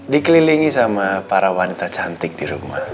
dikelilingi sama para wanita cantik di rumah